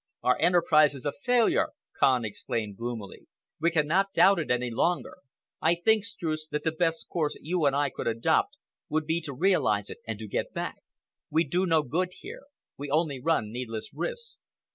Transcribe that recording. "Our enterprise is a failure!" Kahn exclaimed gloomily. "We cannot doubt it any longer. I think, Streuss, that the best course you and I could adopt would be to realize it and to get back. We do no good here. We only run needless risks."